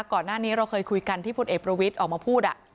ก่อนหน้านี้เราเคยคุยกันที่พลเอกประวิทย์ออกมาพูด